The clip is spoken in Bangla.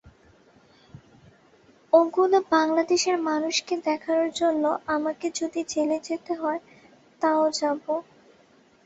ওগুলো বাংলাদেশের মানুষকে দেখানোর জন্য আমাকে যদি জেলে যেতে হয়, তা-ও যাব।